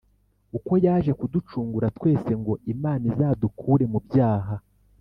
uko yaje kuducungura twese, ngo imana izadukure mu byaha